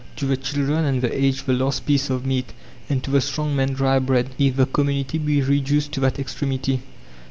To the children and the aged the last piece of meat, and to the strong man dry bread, if the community be reduced to that extremity.